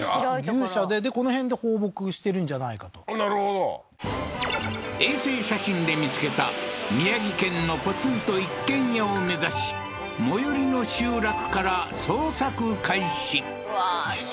牛舎でこの辺で放牧してるんじゃないかとなるほど衛星写真で見つけた宮城県のポツンと一軒家を目指し最寄りの集落から捜索開始